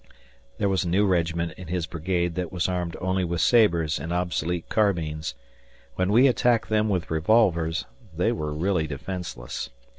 There was a new regiment in his brigade that was armed only with sabres and obsolete carbines. When we attacked them with revolvers, they were really defenseless.